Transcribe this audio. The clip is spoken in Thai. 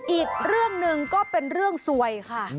อีกเรื่องหนึ่งก็เป็นเรื่องสวยค่ะ